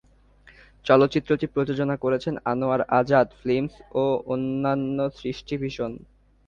চলচ্চিত্রটি প্রযোজনা করেছে আনোয়ার আজাদ ফিল্মস ও অনন্য সৃষ্টি ভিশন।